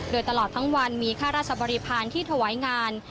โดยตลอดทั้งวันมีค่าราชบริพาณที่ถวายงาน